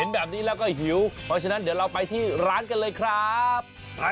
แบบนี้แล้วก็หิวเพราะฉะนั้นเดี๋ยวเราไปที่ร้านกันเลยครับ